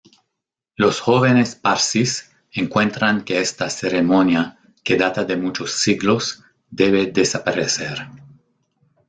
Los jóvenes parsis encuentran que esta ceremonia, que data de muchos siglos, debe desaparecer.